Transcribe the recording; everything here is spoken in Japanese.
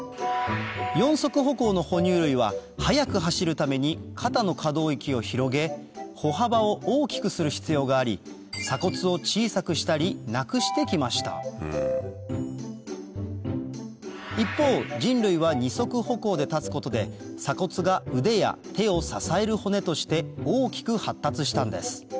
四足歩行の哺乳類は速く走るために肩の可動域を広げ歩幅を大きくする必要があり鎖骨を小さくしたりなくして来ました一方人類は二足歩行で立つことで鎖骨が腕や手を支える骨として大きく発達したんです